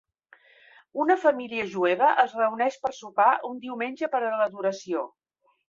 Una família jueva es reuneix per a sopar un diumenge per a l'adoració.